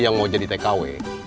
yang mau jadi tkw